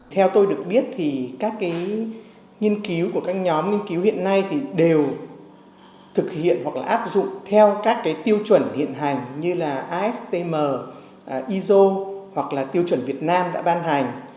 theo tôi được biết thì các cái nghiên cứu của các nhóm nghiên cứu hiện nay thì đều thực hiện hoặc là áp dụng theo các tiêu chuẩn hiện hành như là astm iso hoặc là tiêu chuẩn việt nam đã ban hành